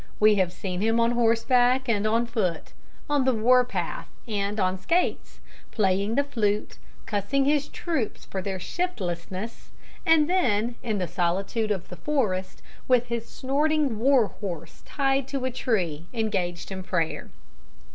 We have seen him on horseback and on foot, on the war path and on skates, playing the flute, cussing his troops for their shiftlessness, and then, in the solitude of the forest, with his snorting war horse tied to a tree, engaged in prayer.